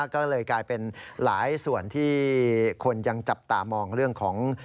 ก็เลยกลายเป็นหลายส่วนที่คนยังจับตามองเรื่องของ